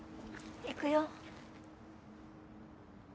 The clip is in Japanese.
行くよ。